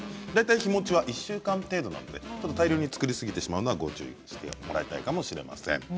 大体日もちは１週間程度なので大量に作りすぎてしまうのはご注意していていただいた方がいいかもしれません。